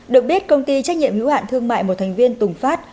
được biết công ty trách nhiệm hữu hạn thương mại một thành viên tùng phát